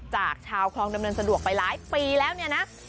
จากชาวคลองดำเนินสะดวกไปหลายปีแล้วเนี่ยนะ